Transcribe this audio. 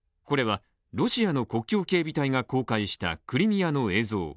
これは、ロシアの国境警備隊が公開したクリミアの映像。